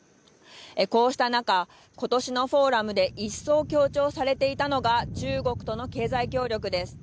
こうした中今年のフォーラムで一層強調されていたのが中国との経済協力です。